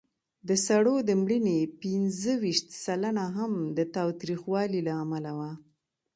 د سړو د مړینې پینځهویشت سلنه هم د تاوتریخوالي له امله وه.